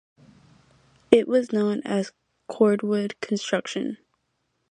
It was known as cordwood construction.